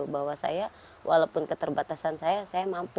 bahwa saya walaupun keterbatasan saya saya mampu